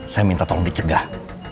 saya minta tolong dicegah